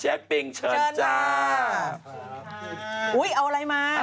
จากกระแสของละครกรุเปสันนิวาสนะฮะ